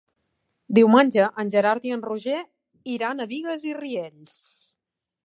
Diumenge en Gerard i en Roger iran a Bigues i Riells.